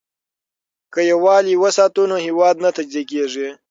که یووالي وساتو نو هیواد نه تجزیه کیږي.